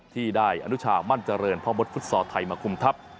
ที่ได้อนุชามั่นเจริญพ่อมดฟุตซอลไทยมาคุมทัพ